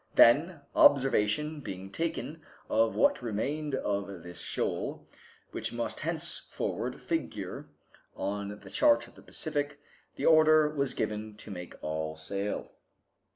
Then, observation being taken of what remained of this shoal, which must henceforward figure on the charts of the Pacific, the order was given to make all sail.